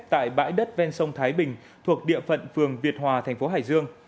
tại bãi đất ven sông thái bình thuộc địa phận phường việt hòa thành phố hải dương